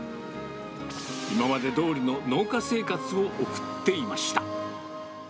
今までどおりの農家生活を送っていました。